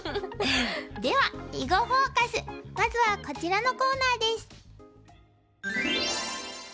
では「囲碁フォーカス」まずはこちらのコーナーです。